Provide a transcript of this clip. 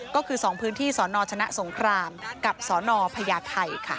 ก็คือ๒พื้นที่สนชนะสงครามกับสนพญาไทยค่ะ